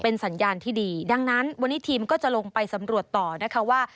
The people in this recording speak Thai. สัญญาณที่ดีดังนั้นวันนี้ทีมก็จะลงไปสำรวจต่อนะคะว่า